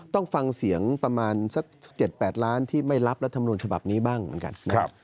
ต้องฟังเสียงประมาณสัก๗๘ล้านที่ไม่รับรัฐมนุนฉบับนี้บ้างเหมือนกันนะครับ